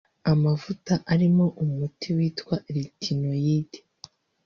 Amavuta arimo umuti witwa “retinoid”